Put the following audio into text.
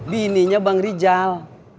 bininya bang rijal